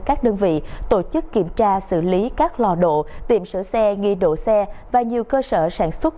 các đơn vị tổ chức kiểm tra xử lý các lò độ tiệm sửa xe nghi độ xe và nhiều cơ sở sản xuất